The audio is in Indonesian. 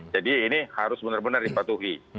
jadi ini harus benar benar dipatuhi